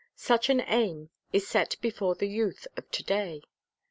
Such an aim is set before the youth of to day.